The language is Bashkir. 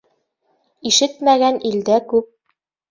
Ишетмәгән илдә күп.